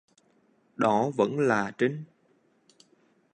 Đó vẫn là trinh